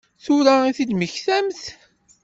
Tura i t-id-mmektant?